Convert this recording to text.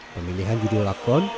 pemilihan judul lakon